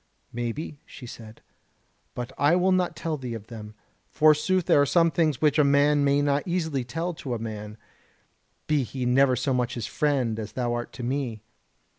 "Maybe," she said, "but I will not tell thee of them. Forsooth there are some things which a man may not easily tell to a man, be he never so much his friend as thou art to me.